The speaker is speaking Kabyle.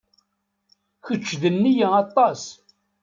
Kecc d nniya aṭas.